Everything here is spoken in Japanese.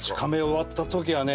終わったときはね